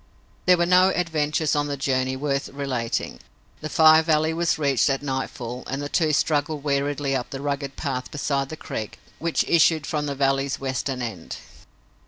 There were no adventures on the journey worth relating. The Fire Valley was reached at nightfall and the two struggled weariedly up the rugged path beside the creek which issued from the valley's western end.